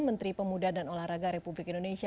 menteri pemuda dan olahraga republik indonesia